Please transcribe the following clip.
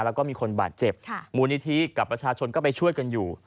แล้วก็มีคนบาดเจ็บมูลนิธิกับประชาชนก็ไปช่วยกันอยู่